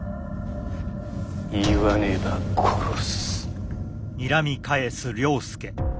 言わねば殺す。